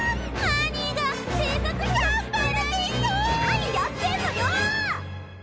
何やってんのよ！